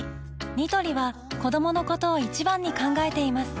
ニトリは子どものことを一番に考えています